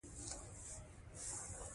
د اصلاحاتو او سراج الاخبار کې اثر ویني.